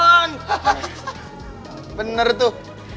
hahaha bener tuh